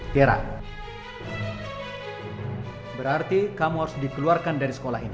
tiara berarti kamu harus dikeluarkan dari sekolah ini